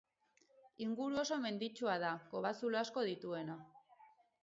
Inguru oso menditsua da, kobazulo asko dituena.